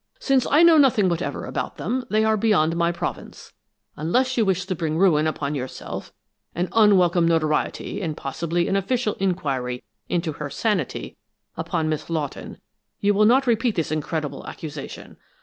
"Since I know nothing whatever about them, they are beyond my province. Unless you wish to bring ruin upon yourself, and unwelcome notoriety and possibly an official inquiry into her sanity upon Miss Lawton, you will not repeat this incredible accusation.